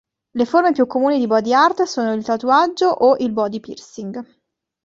Le forme più comuni di body art sono il tatuaggio o il body piercing.